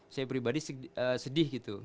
saya pribadi sedih gitu